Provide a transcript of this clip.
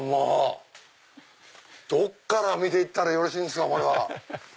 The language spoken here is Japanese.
どっから見て行ったらよろしいんですか？